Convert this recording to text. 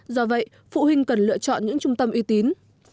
do vậy phụ huynh cần lựa chọn những trung tâm uy tín